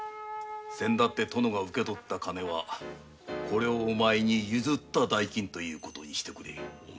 先に殿が受け取った金はこれをお前に譲った代金という事にしてくれ。